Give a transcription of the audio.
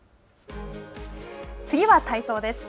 次は体操です。